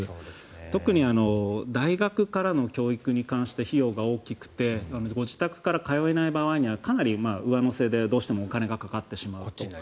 特に大学からの教育に関して費用が大きくてご自宅から通えない場合にはかなり上乗せでどうしてもお金がかかってしまうと。